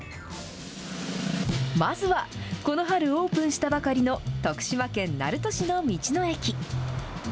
まずは、この春オープンしたばかりの徳島県鳴門市の道の駅。